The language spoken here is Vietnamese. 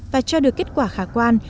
và cho được kết quả khả quan